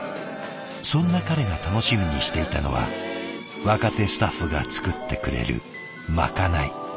そんな彼が楽しみにしていたのは若手スタッフが作ってくれるまかない。